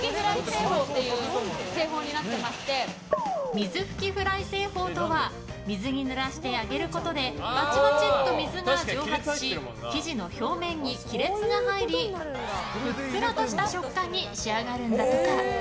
水吹きフライ製法とは水にぬらして揚げることでバチバチっと水が蒸発し生地の表面に亀裂が入りふっくらとした食感に仕上がるんだとか。